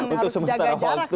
untuk sementara waktu